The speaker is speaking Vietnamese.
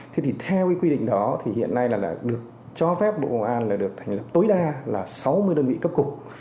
thì theo quy định đó thì hiện nay là được cho phép bộ công an là được thành lập tối đa là sáu mươi đơn vị cấp cục